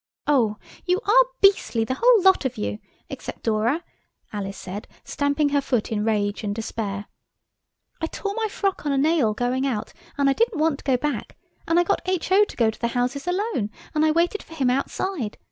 "Oh, you are beastly, the whole lot of you, except Dora!" Alice said, stamping her foot in rage and despair. "I tore my frock on a nail going out, and I didn't want to go back, and I got H.O. to go to the houses alone, and I waited for him outside.